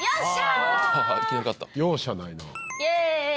容赦ないな。